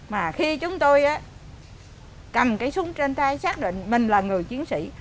mà khi chúng tôi cầm cái súng trên tay xác định mình là người chiến sĩ